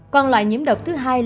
còn loại nhiễm độc thứ hai là do biển